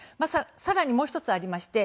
さらにもう１つありまして